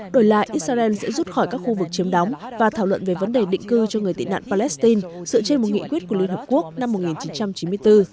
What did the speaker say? đổi lại israel sẽ rút khỏi các khu vực chiếm đóng và thảo luận về vấn đề định cư cho người tị nạn palestine dựa trên một nghị quyết của liên hợp quốc năm một nghìn chín trăm chín mươi bốn